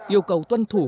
yêu cầu tuân thủ